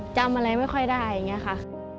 จำอะไรไม่ค่อยได้อย่างนี้ค่ะ